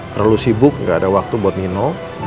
terlalu sibuk gak ada waktu buat nino